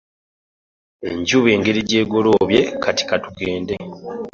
Enjuba engeri gy'egoloobye kati ka tugende.